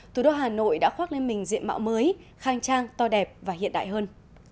thủ đô hà nội đã khoác lên mình diện mạo mới khang trang to đẹp và hiện đại hơn